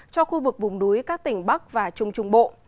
cho khu vực vùng núi các tỉnh bắc và trung trung bộ